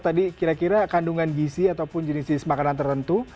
tadi kira kira kandungan gizi ataupun jenis jenis makanan tertentu